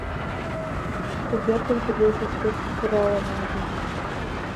Кугергын кудывечышкет пурална да